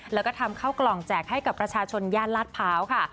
และก็ทำเข้ากรอบแจกให้กับประชาชนย่านราชเผา